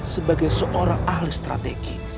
sebagai seorang ahli strategi